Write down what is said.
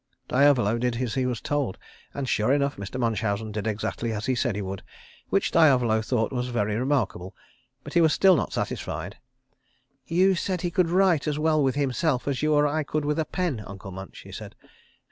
Diavolo did as he was told, and sure enough, Mr. Munchausen did exactly as he said he would, which Diavolo thought was very remarkable, but he still was not satisfied. "You said he could write as well with himself as you or I could with a pen, Uncle Munch," he said.